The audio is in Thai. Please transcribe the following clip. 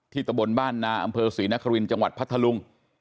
ตะบนบ้านนาอำเภอศรีนครินทร์จังหวัดพัทธลุง